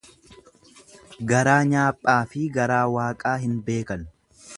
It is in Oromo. Garaa nyaaphaafi garaa waaqaa hin beekan.